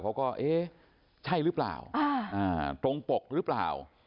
เราก็เอ๊ะใช่รึเปล่าตรงปกรึเปล่า